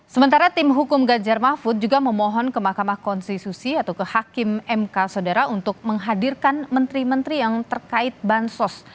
sementara tim hukum ganjar mahfud juga memohon ke mahkamah konstitusi atau ke hakim mk saudara untuk menghadirkan menteri menteri yang terkait bansos